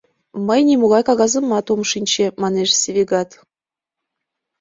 — Мый нимогай кагазымат ом шинче, — манеш Сивагат.